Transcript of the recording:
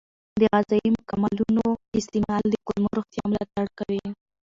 د غذایي مکملونو استعمال د کولمو روغتیا ملاتړ کوي.